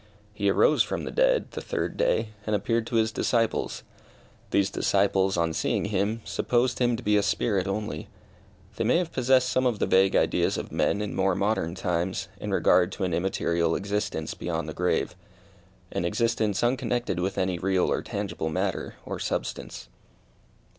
He arose from the dead the third day, and appeared to his disciples. These disciples, on seeing him, supposed him to be a spirit only. They may have possessed some of the vague ideas of men in more modern times, in regard to an immaterial existence beyond the grave: an existence unconnected with any real or tangible matter, or substance.